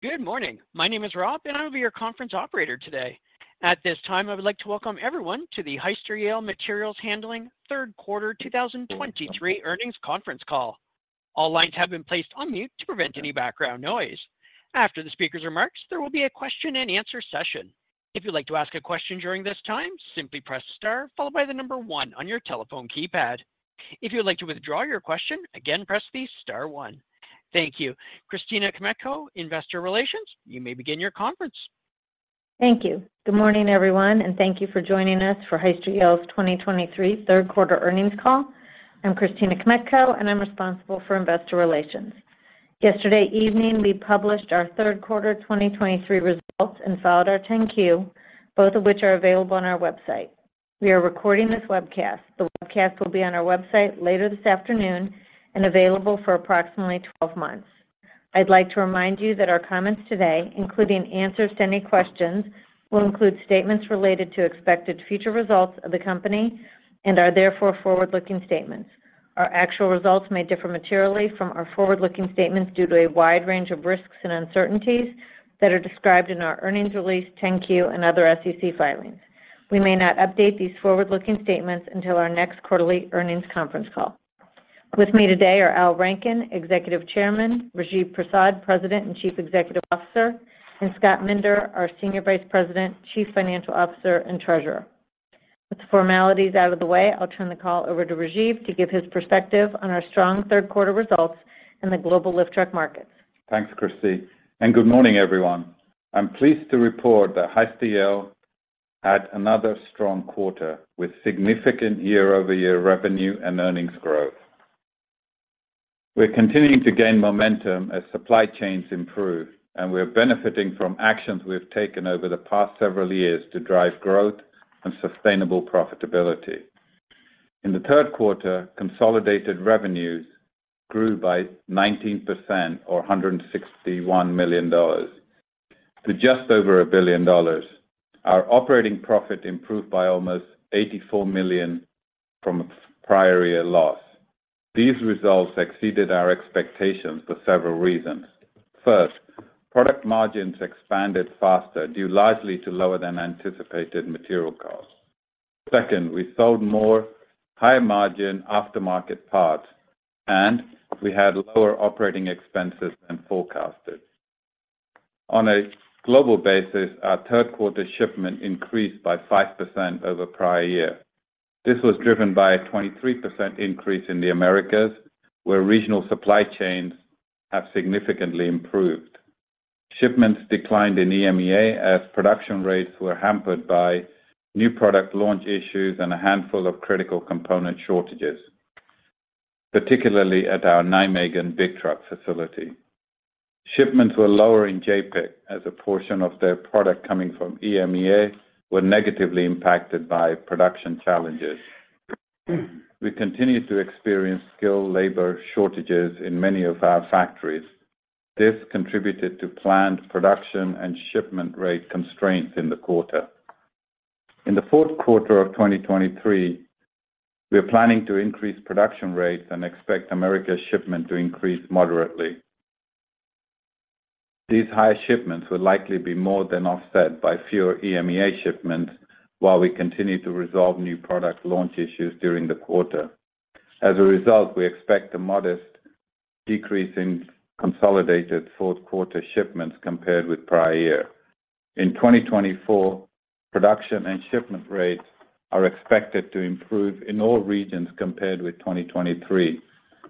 Good morning. My name is Rob, and I will be your conference operator today. At this time, I would like to welcome everyone to the Hyster-Yale Materials Handling third quarter 2023 earnings conference call. All lines have been placed on mute to prevent any background noise. After the speaker's remarks, there will be a question and answer session. If you'd like to ask a question during this time, simply press star followed by the number one on your telephone keypad. If you'd like to withdraw your question, again, press the star one. Thank you. Christina Kmetko, Investor Relations, you may begin your conference. Thank you. Good morning, everyone, and thank you for joining us for Hyster-Yale's 2023 third quarter earnings call. I'm Christina Kmetko, and I'm responsible for Investor Relations. Yesterday evening, we published our third quarter 2023 results and filed our 10-Q, both of which are available on our website. We are recording this webcast. The webcast will be on our website later this afternoon and available for approximately 12 months. I'd like to remind you that our comments today, including answers to any questions, will include statements related to expected future results of the company and are therefore forward-looking statements. Our actual results may differ materially from our forward-looking statements due to a wide range of risks and uncertainties that are described in our earnings release, 10-Q, and other SEC filings. We may not update these forward-looking statements until our next quarterly earnings conference call. With me today are Al Rankin, Executive Chairman, Rajiv Prasad, President and Chief Executive Officer, and Scott Minder, our Senior Vice President, Chief Financial Officer, and Treasurer. With the formalities out of the way, I'll turn the call over to Rajiv to give his perspective on our strong third quarter results in the global lift truck markets. Thanks, Christy, and good morning, everyone. I'm pleased to report that Hyster-Yale had another strong quarter, with significant year-over-year revenue and earnings growth. We're continuing to gain momentum as supply chains improve, and we are benefiting from actions we've taken over the past several years to drive growth and sustainable profitability. In the third quarter, consolidated revenues grew by 19% or $161 million to just over $1 billion. Our operating profit improved by almost $84 million from a prior year loss. These results exceeded our expectations for several reasons. First, product margins expanded faster, due largely to lower than anticipated material costs. Second, we sold more high-margin aftermarket parts, and we had lower operating expenses than forecasted. On a global basis, our third quarter shipment increased by 5% over prior year. This was driven by a 23% increase in the Americas, where regional supply chains have significantly improved. Shipments declined in EMEA as production rates were hampered by new product launch issues and a handful of critical component shortages, particularly at our Nijmegen big truck facility. Shipments were lower in JAPIC as a portion of their product coming from EMEA were negatively impacted by production challenges. We continued to experience skilled labor shortages in many of our factories. This contributed to planned production and shipment rate constraints in the quarter. In the fourth quarter of 2023, we are planning to increase production rates and expect Americas shipment to increase moderately. These high shipments will likely be more than offset by fewer EMEA shipments while we continue to resolve new product launch issues during the quarter. As a result, we expect a modest decrease in consolidated fourth quarter shipments compared with prior year. In 2024, production and shipment rates are expected to improve in all regions compared with 2023,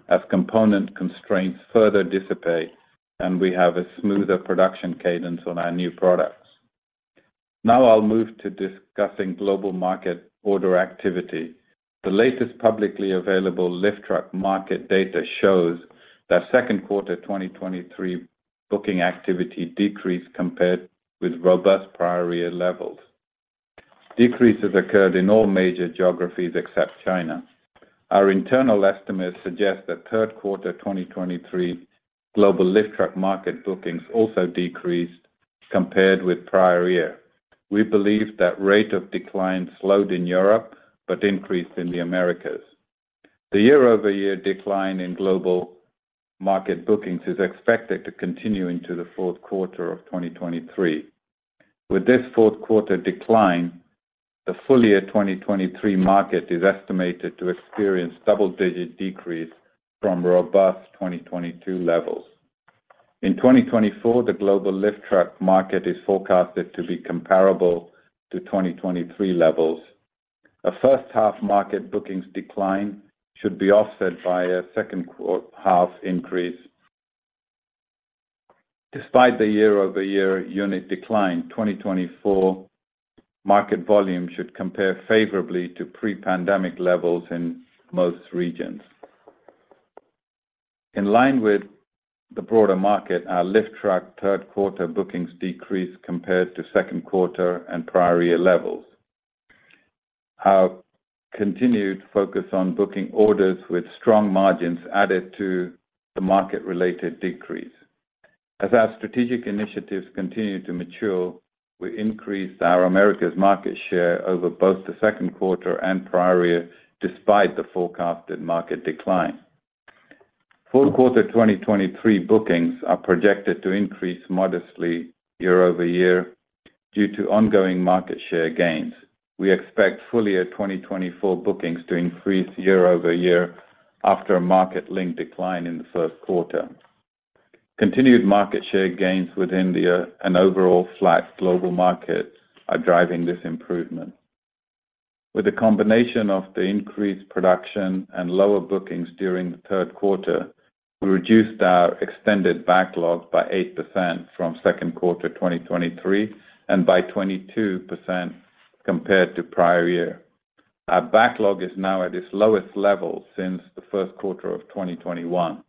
as component constraints further dissipate, and we have a smoother production cadence on our new products. Now I'll move to discussing global market order activity. The latest publicly available lift truck market data shows that second quarter 2023 booking activity decreased compared with robust prior year levels. Decreases occurred in all major geographies except China. Our internal estimates suggest that third quarter 2023 global lift truck market bookings also decreased compared with prior year. We believe that rate of decline slowed in Europe but increased in the Americas. The year-over-year decline in global market bookings is expected to continue into the fourth quarter of 2023. With this fourth quarter decline, the full year 2023 market is estimated to experience double-digit decrease from robust 2022 levels. In 2024, the global lift truck market is forecasted to be comparable to 2023 levels. A first half market bookings decline should be offset by a second-half increase. Despite the year-over-year unit decline, 2024 market volume should compare favorably to pre-pandemic levels in most regions. In line with the broader market, our lift truck third-quarter bookings decreased compared to second quarter and prior year levels. Our continued focus on booking orders with strong margins added to the market-related decrease. As our strategic initiatives continue to mature, we increased our Americas market share over both the second quarter and prior year, despite the forecasted market decline. Fourth quarter 2023 bookings are projected to increase modestly year-over-year due to ongoing market share gains. We expect full year 2024 bookings to increase year-over-year after a market-linked decline in the first quarter. Continued market share gains with India and overall flat global markets are driving this improvement. With a combination of the increased production and lower bookings during the third quarter, we reduced our extended backlogs by 8% from second quarter 2023, and by 22% compared to prior year. Our backlog is now at its lowest level since the first quarter of 2021.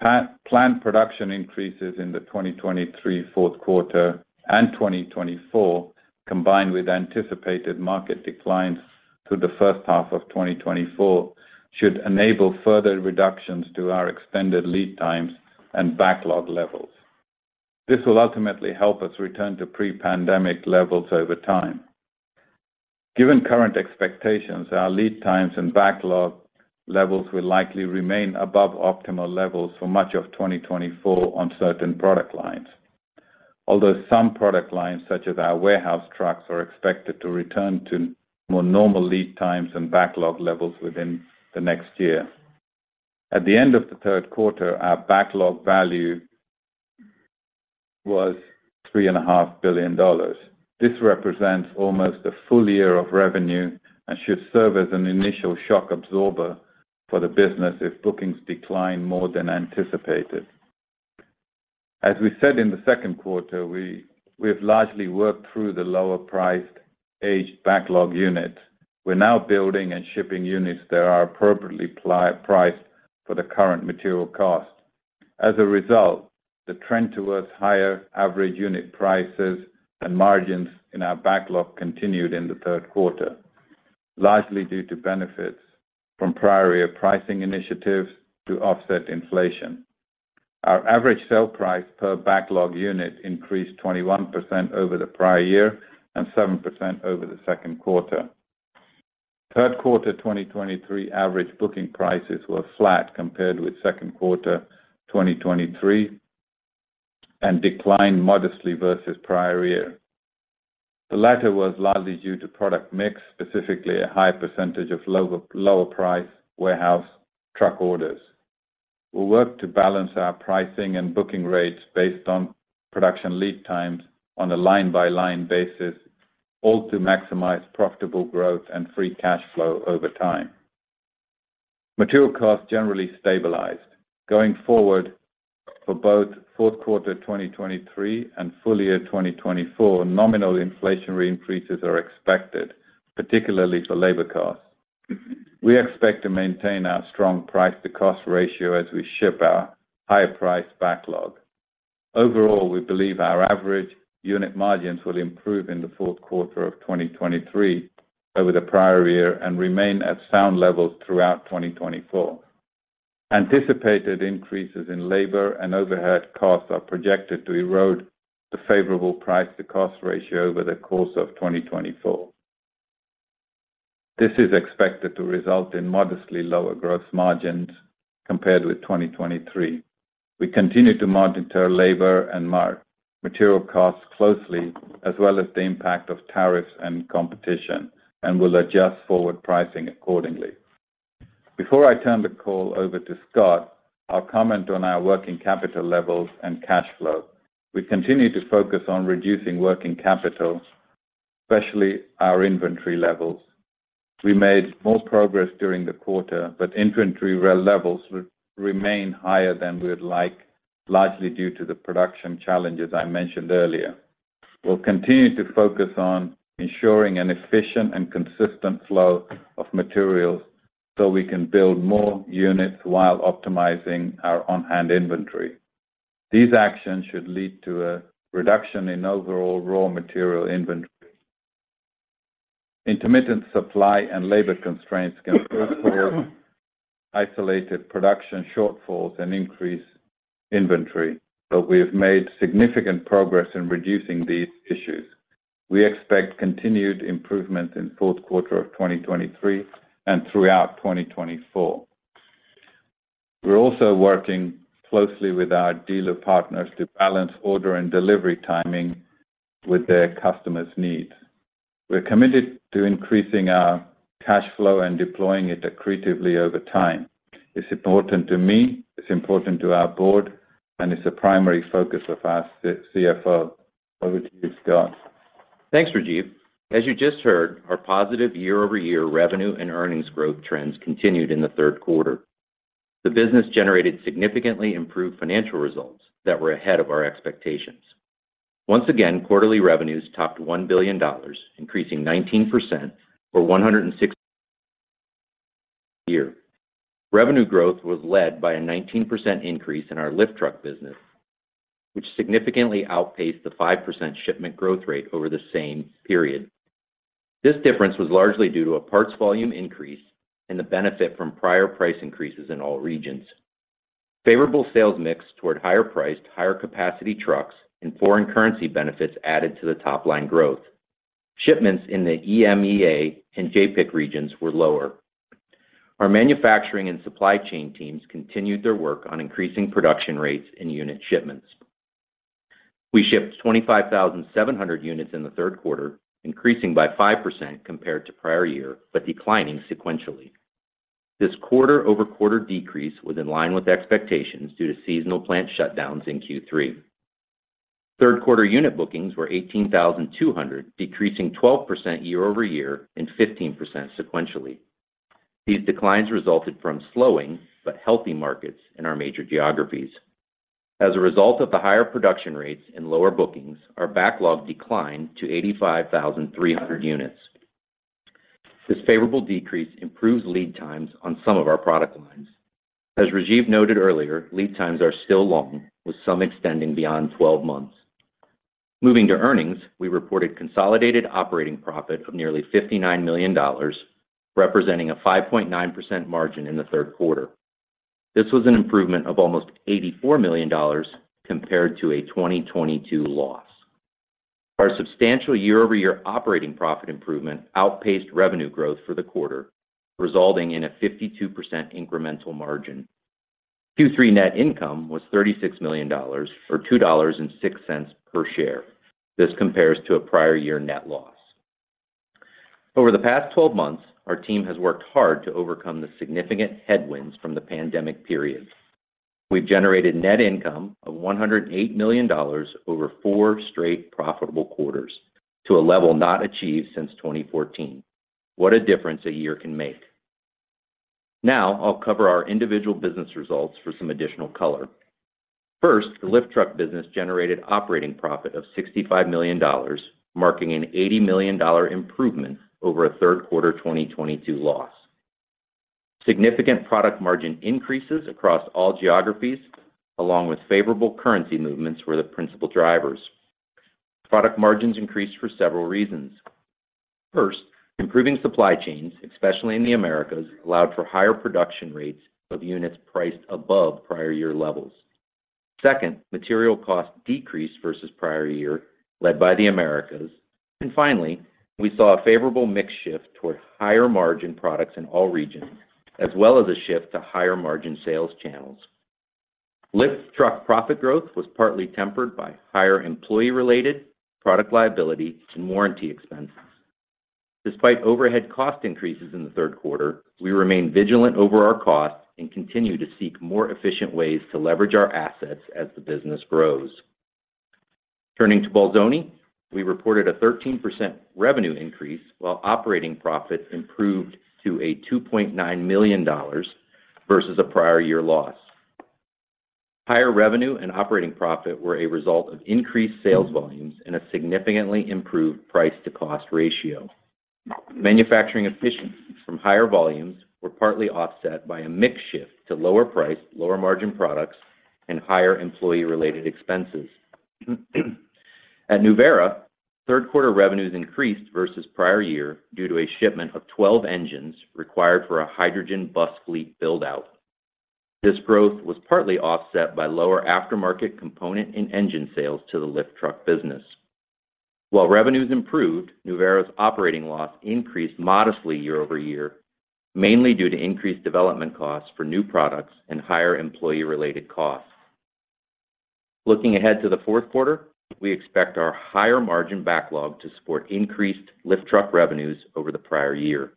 Planned production increases in the 2023 fourth quarter and 2024, combined with anticipated market declines through the first half of 2024, should enable further reductions to our extended lead times and backlog levels. This will ultimately help us return to pre-pandemic levels over time. Given current expectations, our lead times and backlog levels will likely remain above optimal levels for much of 2024 on certain product lines. Although some product lines, such as our warehouse trucks, are expected to return to more normal lead times and backlog levels within the next year. At the end of the third quarter, our backlog value was $3.5 billion. This represents almost a full year of revenue and should serve as an initial shock absorber for the business if bookings decline more than anticipated. As we said in the second quarter, we have largely worked through the lower-priced aged backlog units. We're now building and shipping units that are appropriately priced for the current material cost. As a result, the trend towards higher average unit prices and margins in our backlog continued in the third quarter, largely due to benefits from prior pricing initiatives to offset inflation. Our average sale price per backlog unit increased 21% over the prior year and 7% over the second quarter. Third quarter 2023 average booking prices were flat compared with second quarter 2023, and declined modestly versus prior year. The latter was largely due to product mix, specifically a high percentage of lower price warehouse truck orders. We'll work to balance our pricing and booking rates based on production lead times on a line-by-line basis, all to maximize profitable growth and free cash flow over time. Material costs generally stabilized. Going forward, for both fourth quarter 2023 and full year 2024, nominal inflationary increases are expected, particularly for labor costs. We expect to maintain our strong price to cost ratio as we ship our higher priced backlog. Overall, we believe our average unit margins will improve in the fourth quarter of 2023 over the prior year and remain at sound levels throughout 2024. Anticipated increases in labor and overhead costs are projected to erode the favorable price to cost ratio over the course of 2024. This is expected to result in modestly lower gross margins compared with 2023. We continue to monitor labor and material costs closely, as well as the impact of tariffs and competition, and will adjust forward pricing accordingly. Before I turn the call over to Scott, I'll comment on our working capital levels and cash flow. We continue to focus on reducing working capital, especially our inventory levels. We made more progress during the quarter, but inventory levels remain higher than we'd like, largely due to the production challenges I mentioned earlier. We'll continue to focus on ensuring an efficient and consistent flow of materials so we can build more units while optimizing our on-hand inventory. These actions should lead to a reduction in overall raw material inventory. Intermittent supply and labor constraints can cause isolated production shortfalls and increase inventory, but we have made significant progress in reducing these issues. We expect continued improvement in fourth quarter of 2023 and throughout 2024. We're also working closely with our dealer partners to balance order and delivery timing with their customers' needs. We're committed to increasing our cash flow and deploying it accretively over time. It's important to me, it's important to our board, and it's a primary focus of our CFO. Over to you, Scott. Thanks, Rajiv. As you just heard, our positive year-over-year revenue and earnings growth trends continued in the third quarter. The business generated significantly improved financial results that were ahead of our expectations. Once again, quarterly revenues topped $1 billion, increasing 19% for 160 year. Revenue growth was led by a 19% increase in our lift truck business, which significantly outpaced the 5% shipment growth rate over the same period. This difference was largely due to a parts volume increase and the benefit from prior price increases in all regions. Favorable sales mix toward higher priced, higher capacity trucks and foreign currency benefits added to the top line growth. Shipments in the EMEA and JAPIC regions were lower. Our manufacturing and supply chain teams continued their work on increasing production rates and unit shipments. We shipped 25,700 units in the third quarter, increasing by 5% compared to prior year, but declining sequentially. This quarter-over-quarter decrease was in line with expectations due to seasonal plant shutdowns in Q3. Third quarter unit bookings were 18,200, decreasing 12% year-over-year and 15% sequentially. These declines resulted from slowing but healthy markets in our major geographies. As a result of the higher production rates and lower bookings, our backlog declined to 85,300 units. This favorable decrease improves lead times on some of our product lines. As Rajiv noted earlier, lead times are still long, with some extending beyond 12 months. Moving to earnings, we reported consolidated operating profit of nearly $59 million, representing a 5.9% margin in the third quarter. This was an improvement of almost $84 million compared to a 2022 loss. Our substantial year-over-year operating profit improvement outpaced revenue growth for the quarter, resulting in a 52% incremental margin. Q3 net income was $36 million, or $2.06 per share. This compares to a prior year net loss. Over the past 12 months, our team has worked hard to overcome the significant headwinds from the pandemic period. We've generated net income of $108 million over four straight profitable quarters to a level not achieved since 2014. What a difference a year can make! Now, I'll cover our individual business results for some additional color. First, the lift truck business generated operating profit of $65 million, marking an $80 million improvement over a third quarter 2022 loss. Significant product margin increases across all geographies, along with favorable currency movements, were the principal drivers. Product margins increased for several reasons. First, improving supply chains, especially in the Americas, allowed for higher production rates of units priced above prior year levels. Second, material costs decreased versus prior year, led by the Americas. And finally, we saw a favorable mix shift toward higher-margin products in all regions, as well as a shift to higher-margin sales channels. Lift truck profit growth was partly tempered by higher employee-related, product liability, and warranty expenses. Despite overhead cost increases in the third quarter, we remain vigilant over our costs and continue to seek more efficient ways to leverage our assets as the business grows. Turning to Bolzoni, we reported a 13% revenue increase, while operating profit improved to $2.9 million versus a prior year loss. Higher revenue and operating profit were a result of increased sales volumes and a significantly improved price to cost ratio. Manufacturing efficiencies from higher volumes were partly offset by a mix shift to lower price, lower margin products, and higher employee-related expenses. At Nuvera, third quarter revenues increased versus prior year due to a shipment of 12 engines required for a hydrogen bus fleet build-out. This growth was partly offset by lower aftermarket component and engine sales to the lift truck business. While revenues improved, Nuvera's operating loss increased modestly year-over-year, mainly due to increased development costs for new products and higher employee-related costs. Looking ahead to the fourth quarter, we expect our higher-margin backlog to support increased lift truck revenues over the prior year.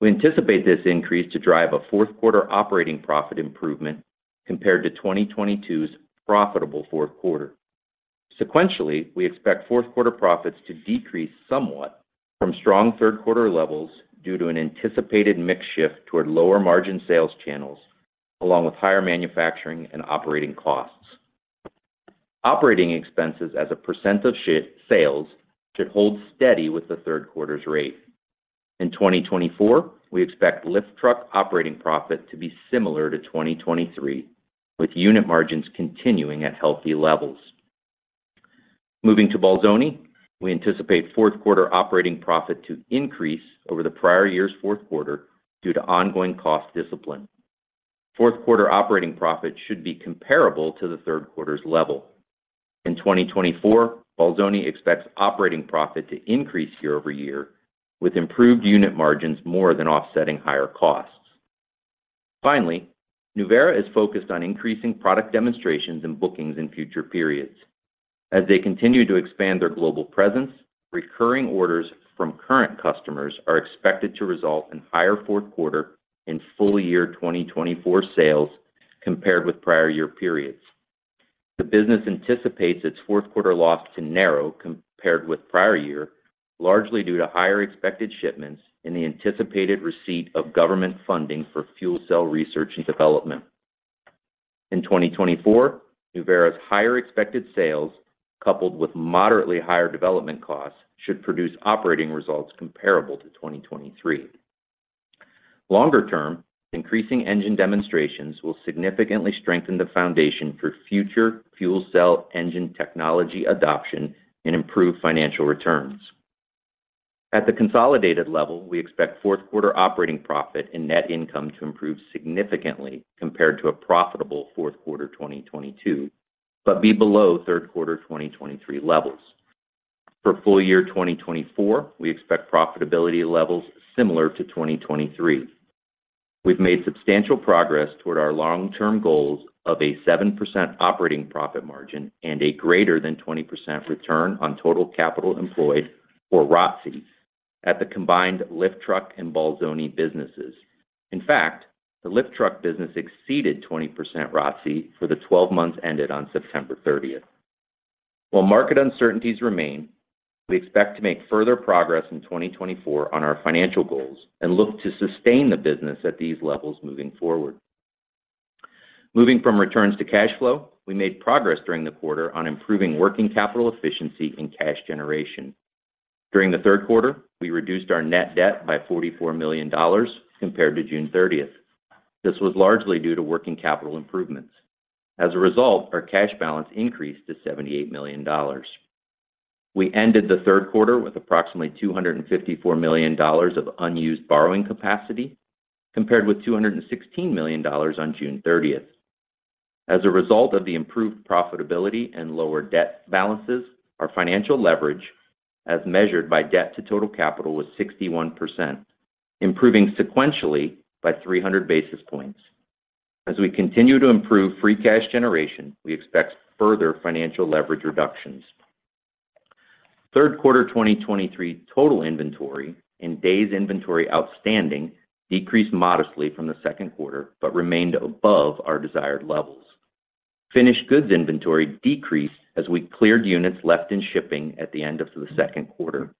We anticipate this increase to drive a fourth quarter operating profit improvement compared to 2022's profitable fourth quarter. Sequentially, we expect fourth quarter profits to decrease somewhat from strong third quarter levels due to an anticipated mix shift toward lower-margin sales channels, along with higher manufacturing and operating costs. Operating expenses as a percent of sales should hold steady with the third quarter's rate. In 2024, we expect lift truck operating profit to be similar to 2023, with unit margins continuing at healthy levels. Moving to Bolzoni, we anticipate fourth quarter operating profit to increase over the prior year's fourth quarter due to ongoing cost discipline. Fourth quarter operating profit should be comparable to the third quarter's level. In 2024, Bolzoni expects operating profit to increase year-over-year, with improved unit margins more than offsetting higher costs. Finally, Nuvera is focused on increasing product demonstrations and bookings in future periods. As they continue to expand their global presence, recurring orders from current customers are expected to result in higher fourth quarter and full year 2024 sales compared with prior year periods. The business anticipates its fourth quarter loss to narrow compared with prior year, largely due to higher expected shipments and the anticipated receipt of government funding for fuel cell research and development. In 2024, Nuvera's higher expected sales, coupled with moderately higher development costs, should produce operating results comparable to 2023. Longer term, increasing engine demonstrations will significantly strengthen the foundation for future fuel cell engine technology adoption and improve financial returns....At the consolidated level, we expect fourth quarter operating profit and net income to improve significantly compared to a profitable fourth quarter, 2022, but be below third quarter 2023 levels. For full year 2024, we expect profitability levels similar to 2023. We've made substantial progress toward our long-term goals of a 7% operating profit margin and a greater than 20% return on total capital employed, or ROTCE, at the combined lift truck and Bolzoni businesses. In fact, the lift truck business exceeded 20% ROTCE for the 12 months ended on September 30th. While market uncertainties remain, we expect to make further progress in 2024 on our financial goals and look to sustain the business at these levels moving forward. Moving from returns to cash flow, we made progress during the quarter on improving working capital efficiency and cash generation. During the third quarter, we reduced our net debt by $44 million compared to June 30th. This was largely due to working capital improvements. As a result, our cash balance increased to $78 million. We ended the third quarter with approximately $254 million of unused borrowing capacity, compared with $216 million on June 30th. As a result of the improved profitability and lower debt balances, our financial leverage, as measured by debt to total capital, was 61%, improving sequentially by 300 basis points. As we continue to improve free cash generation, we expect further financial leverage reductions. Third quarter 2023 total inventory and days inventory outstanding decreased modestly from the second quarter, but remained above our desired levels. Finished goods inventory decreased as we cleared units left in shipping at the end of the second quarter.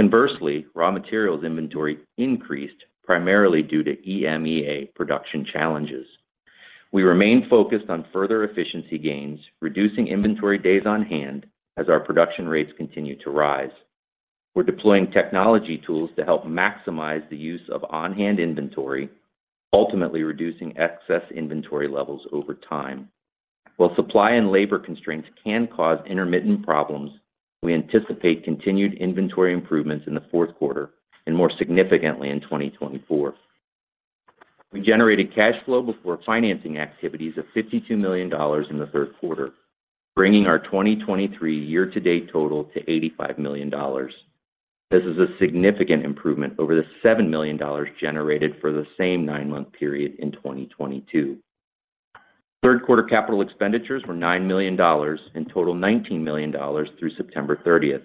Inversely, raw materials inventory increased primarily due to EMEA production challenges. We remain focused on further efficiency gains, reducing inventory days on hand as our production rates continue to rise. We're deploying technology tools to help maximize the use of on-hand inventory, ultimately reducing excess inventory levels over time. While supply and labor constraints can cause intermittent problems, we anticipate continued inventory improvements in the fourth quarter and more significantly in 2024. We generated cash flow before financing activities of $52 million in the third quarter, bringing our 2023 year-to-date total to $85 million. This is a significant improvement over the $7 million generated for the same nine-month period in 2022. Third quarter capital expenditures were $9 million and total $19 million through September 30th.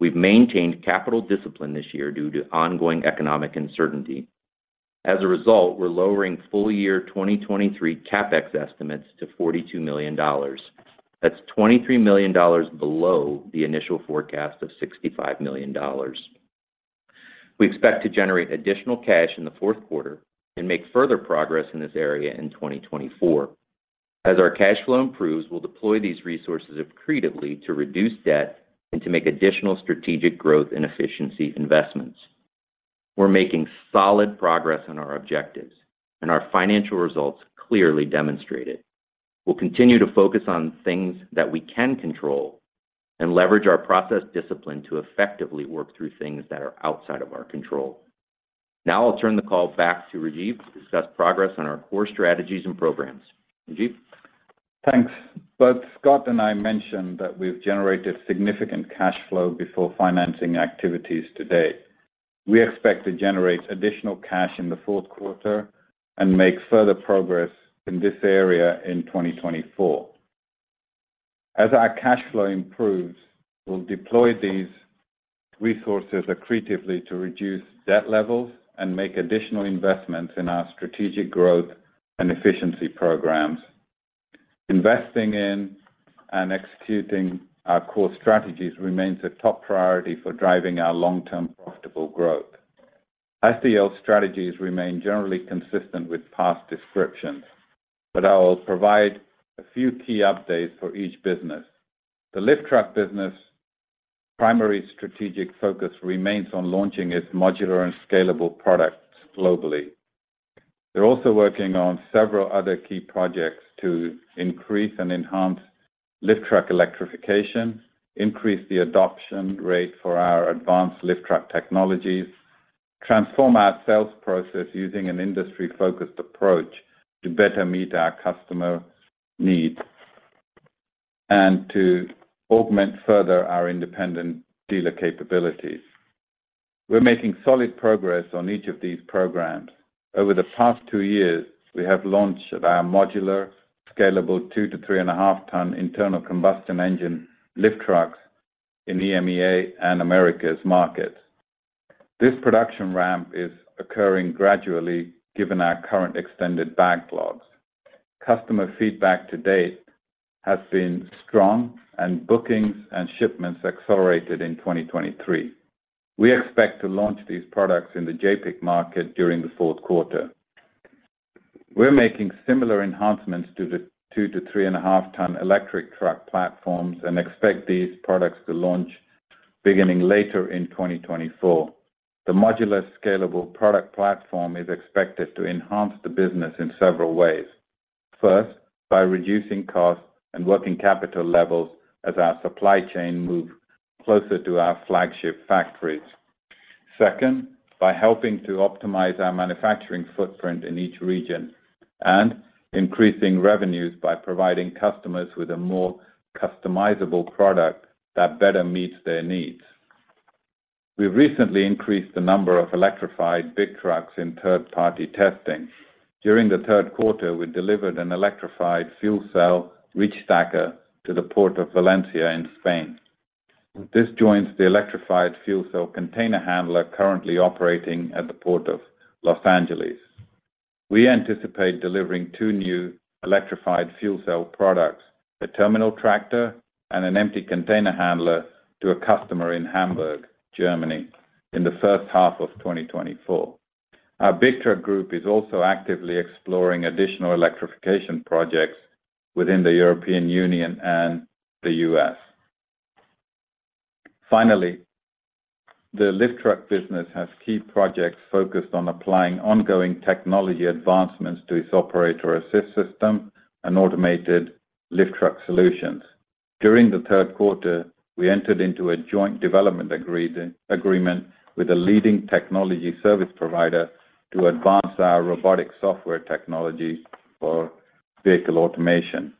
We've maintained capital discipline this year due to ongoing economic uncertainty. As a result, we're lowering full year 2023 CapEx estimates to $42 million. That's $23 million below the initial forecast of $65 million. We expect to generate additional cash in the fourth quarter and make further progress in this area in 2024. As our cash flow improves, we'll deploy these resources accretively to reduce debt and to make additional strategic growth and efficiency investments. We're making solid progress on our objectives, and our financial results clearly demonstrate it. We'll continue to focus on things that we can control and leverage our process discipline to effectively work through things that are outside of our control. Now I'll turn the call back to Rajiv to discuss progress on our core strategies and programs. Rajiv? Thanks. Both Scott and I mentioned that we've generated significant cash flow before financing activities to date. We expect to generate additional cash in the fourth quarter and make further progress in this area in 2024. As our cash flow improves, we'll deploy these resources accretively to reduce debt levels and make additional investments in our strategic growth and efficiency programs. Investing in and executing our core strategies remains a top priority for driving our long-term profitable growth. Core strategies remain generally consistent with past descriptions, but I will provide a few key updates for each business. The lift truck business' primary strategic focus remains on launching its modular and scalable products globally. They're also working on several other key projects to increase and enhance lift truck electrification, increase the adoption rate for our advanced lift truck technologies, transform our sales process using an industry-focused approach to better meet our customer needs, and to augment further our independent dealer capabilities. We're making solid progress on each of these programs. Over the past two years, we have launched our modular, scalable 2 ton to 3.5 ton internal combustion engine lift trucks in EMEA and Americas markets. This production ramp is occurring gradually given our current extended backlogs. Customer feedback to date has been strong, and bookings and shipments accelerated in 2023. We expect to launch these products in the JAPIC market during the fourth quarter. We're making similar enhancements to the 2 ton to 3.5 ton electric truck platforms and expect these products to launch beginning later in 2024. The modular, scalable product platform is expected to enhance the business in several ways. First, by reducing costs and working capital levels as our supply chain move closer to our flagship factories. Second, by helping to optimize our manufacturing footprint in each region and increasing revenues by providing customers with a more customizable product that better meets their needs. We've recently increased the number of electrified big trucks in third-party testing. During the third quarter, we delivered an electrified fuel cell reach stacker to the Port of Valencia in Spain. This joins the electrified fuel cell container handler currently operating at the Port of Los Angeles. We anticipate delivering two new electrified fuel cell products, a terminal tractor and an empty container handler, to a customer in Hamburg, Germany, in the first half of 2024. Our big truck group is also actively exploring additional electrification projects within the European Union and the U.S. Finally, the lift truck business has key projects focused on applying ongoing technology advancements to its operator assist system and automated lift truck solutions. During the third quarter, we entered into a joint development agreement with a leading technology service provider to advance our robotic software technology for vehicle automation.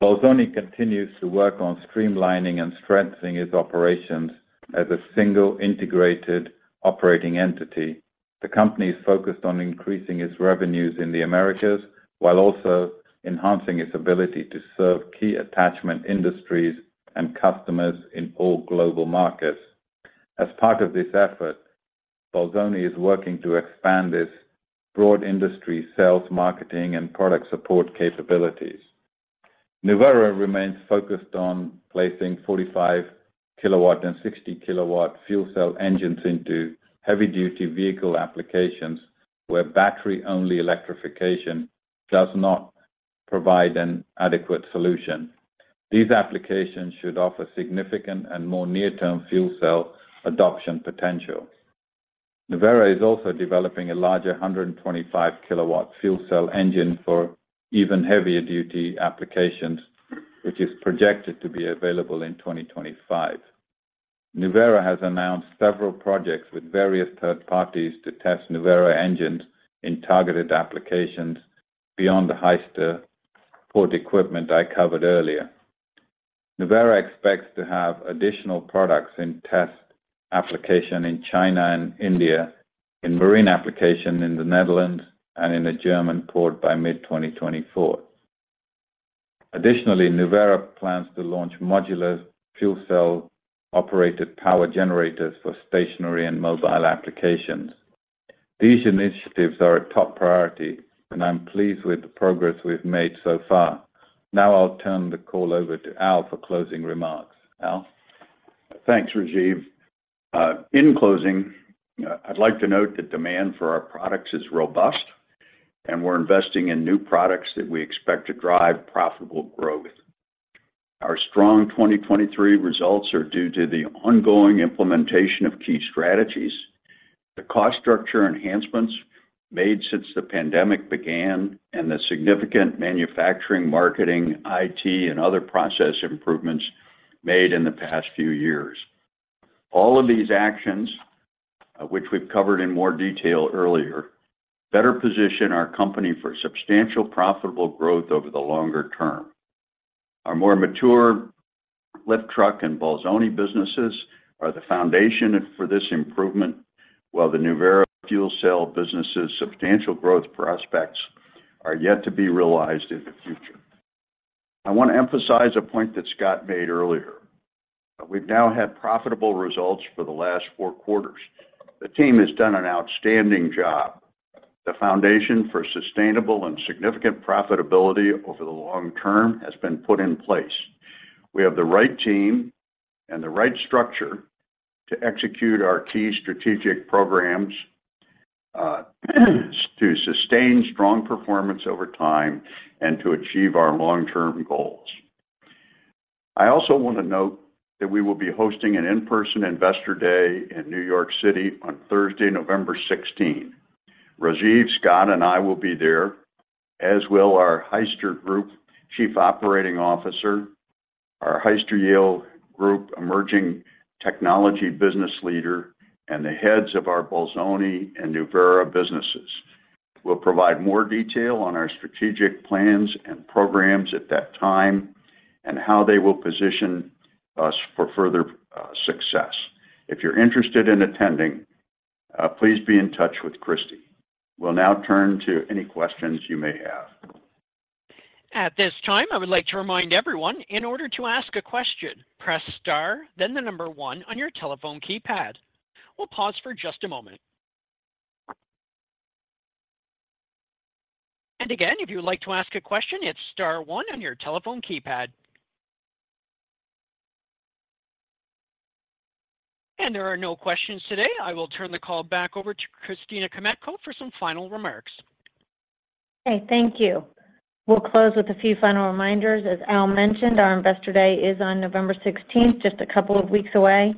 Bolzoni continues to work on streamlining and strengthening its operations as a single integrated operating entity. The company is focused on increasing its revenues in the Americas, while also enhancing its ability to serve key attachment industries and customers in all global markets. As part of this effort, Bolzoni is working to expand its broad industry sales, marketing, and product support capabilities. Nuvera remains focused on placing 45 kW and 60 kW fuel cell engines into heavy-duty vehicle applications, where battery-only electrification does not provide an adequate solution. These applications should offer significant and more near-term fuel cell adoption potential. Nuvera is also developing a larger 125 kW fuel cell engine for even heavier duty applications, which is projected to be available in 2025. Nuvera has announced several projects with various third parties to test Nuvera engines in targeted applications beyond the Hyster port equipment I covered earlier. Nuvera expects to have additional products in test application in China and India, in marine application in the Netherlands, and in a German port by mid-2024. Additionally, Nuvera plans to launch modular fuel cell operated power generators for stationary and mobile applications. These initiatives are a top priority, and I'm pleased with the progress we've made so far. Now I'll turn the call over to Al for closing remarks. Al? Thanks, Rajiv. In closing, I'd like to note that demand for our products is robust, and we're investing in new products that we expect to drive profitable growth. Our strong 2023 results are due to the ongoing implementation of key strategies, the cost structure enhancements made since the pandemic began, and the significant manufacturing, marketing, IT, and other process improvements made in the past few years. All of these actions, which we've covered in more detail earlier, better position our company for substantial profitable growth over the longer term. Our more mature lift truck and Bolzoni businesses are the foundation for this improvement, while the Nuvera Fuel Cell business's substantial growth prospects are yet to be realized in the future. I want to emphasize a point that Scott made earlier. We've now had profitable results for the last four quarters. The team has done an outstanding job. The foundation for sustainable and significant profitability over the long term has been put in place. We have the right team and the right structure to execute our key strategic programs, to sustain strong performance over time and to achieve our long-term goals. I also want to note that we will be hosting an in-person Investor Day in New York City on Thursday, November 16. Rajiv, Scott, and I will be there, as will our Hyster-Yale Group Chief Operating Officer, our Hyster-Yale Group Emerging Technology Business Leader, and the heads of our Bolzoni and Nuvera businesses. We'll provide more detail on our strategic plans and programs at that time and how they will position us for further, success. If you're interested in attending, please be in touch with Christy. We'll now turn to any questions you may have. At this time, I would like to remind everyone in order to ask a question, press star, then the number one on your telephone keypad. We'll pause for just a moment. And again, if you would like to ask a question, it's star one on your telephone keypad. And there are no questions today. I will turn the call back over to Christina Kmetko for some final remarks. Okay, thank you. We'll close with a few final reminders. As Al mentioned, our Investor Day is on November 16th, just a couple of weeks away.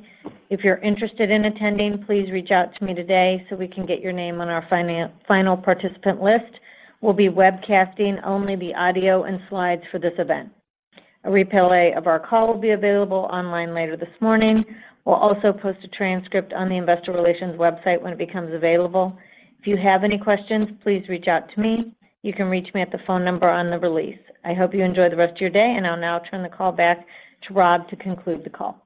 If you're interested in attending, please reach out to me today so we can get your name on our final participant list. We'll be webcasting only the audio and slides for this event. A replay of our call will be available online later this morning. We'll also post a transcript on the investor relations website when it becomes available. If you have any questions, please reach out to me. You can reach me at the phone number on the release. I hope you enjoy the rest of your day, and I'll now turn the call back to Rob to conclude the call.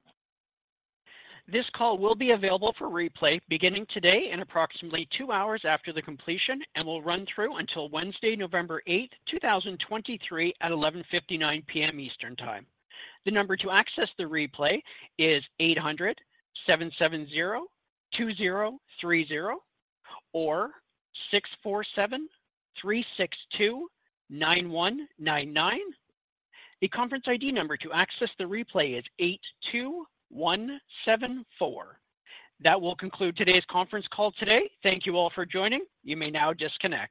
This call will be available for replay beginning today in approximately two hours after the completion and will run through until Wednesday, November 8th, 2023 at 11:59 P.M. Eastern Time. The number to access the replay is 877-702-3030 or 647-362-9199. The conference ID number to access the replay is 82174. That will conclude today's conference call today. Thank you all for joining. You may now disconnect.